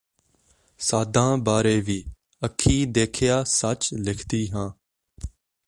ਸਾਧਾਂ ਬਾਰੇ ਵੀ ਅੱਖੀ ਦੇਖਿਆ ਸੱਚ ਲਿਖਦੀ ਹਾਂ